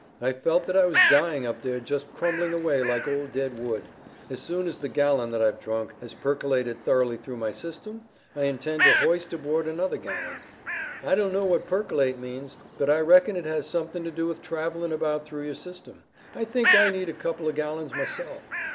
"I felt that I was drying up and just crumbling away like old dead wood. As soon as the gallon that I've drunk has percolated thoroughly through my system I intend to hoist aboard another gallon." "I don't know what percolate means, but I reckon it has something to do with travelin' about through your system. I think I need a couple of gallons myself.